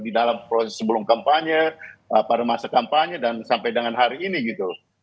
di dalam proses sebelum kampanye pada masa kampanye dan sampai dengan hari ini gitu